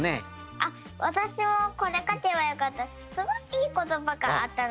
あっわたしもこれかけばよかった。